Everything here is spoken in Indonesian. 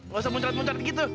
gak usah muncrat muncat gitu